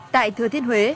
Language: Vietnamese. tại thừa thiên huế